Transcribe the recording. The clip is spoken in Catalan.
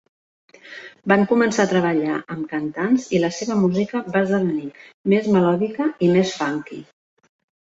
Van començar a treballar amb cantants i la seva música va esdevenir més melòdica i més funky.